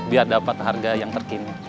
biar dapat harga yang terkini